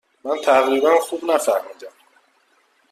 من تقریبا خوب نفهمیدم.